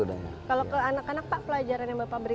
kalau ke anak anak pak pelajaran yang bapak berikan